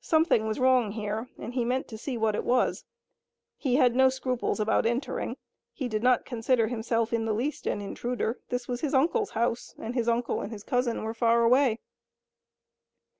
Something was wrong here, and he meant to see what it was. He had no scruples about entering. He did not consider himself in the least an intruder. This was his uncle's house, and his uncle and his cousin were far away.